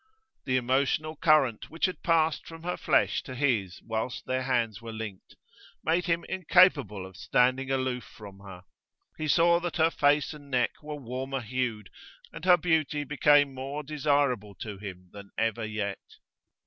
The emotional current which had passed from her flesh to his whilst their hands were linked, made him incapable of standing aloof from her. He saw that her face and neck were warmer hued, and her beauty became more desirable to him than ever yet.